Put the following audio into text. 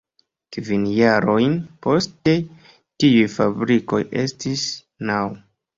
Kvin jarojn poste tiuj fabrikoj estis naŭ.